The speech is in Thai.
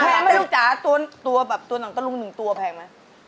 แพงไม่รู้จักตัวหนังตะลุงหนึ่งตัวแพงมั้ย